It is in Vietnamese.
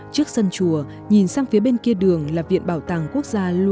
trước sân chùa nhìn sang phía bên kia đường là viện bảo đức